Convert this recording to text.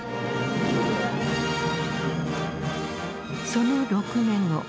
その６年後。